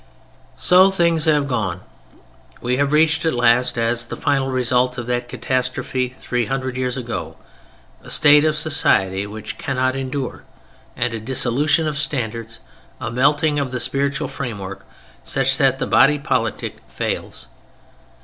So things have gone. We have reached at last, as the final result of that catastrophe three hundred years ago, a state of society which cannot endure and a dissolution of standards, a melting of the spiritual framework, such that the body politic fails.